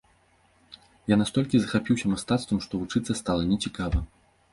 Я настолькі захапіўся мастацтвам, што вучыцца стала не цікава.